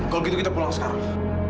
kalau gitu kita pulang sekarang